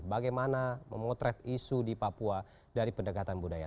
bagaimana memotret isu di papua dari pendekatan budaya